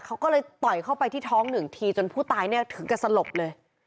เขาก็เลยต่อยเข้าไปที่ท้องหนึ่งทีจนผู้ตายเนี่ยถึงกับสลบเลย